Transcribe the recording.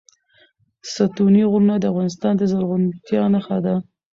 ستوني غرونه د افغانستان د زرغونتیا نښه ده.